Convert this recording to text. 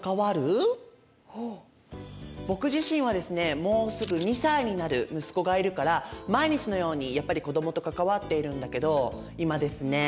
僕自身はですねもうすぐ２歳になる息子がいるから毎日のようにやっぱり子どもと関わっているんだけど今ですね